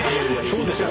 そうでしょ？